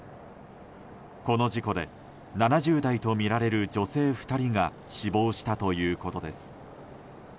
この事故で７０代とみられる女性２人が死亡したということです。